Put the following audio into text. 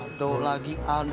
aduh lagi aldo